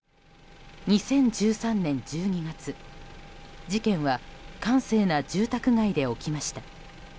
２０１３年１２月、事件は閑静な住宅街で起きました。